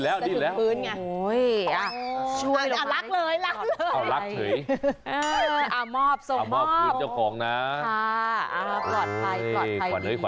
ขวัญเฮ้ยขวัญมากขอบคุณค่ะ